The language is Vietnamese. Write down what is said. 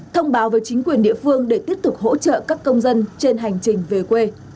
thông báo với chính quyền địa phương để tiếp tục hỗ trợ các công dân trên hành trình về quê